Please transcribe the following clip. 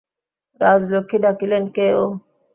রাজলক্ষ্মী ডাকিলেন, কে ও।